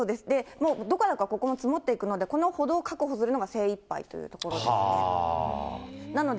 どかどかここも積もっていくので、この歩道を確保するのが精いっぱいというところですね。